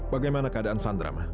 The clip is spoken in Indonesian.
bagaimana keadaan sandra ma